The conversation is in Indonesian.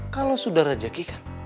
kalau sudah rejeki kan